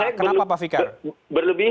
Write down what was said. pak fikar kenapa kenapa pak fikar